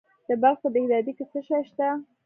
د بلخ په دهدادي کې څه شی شته؟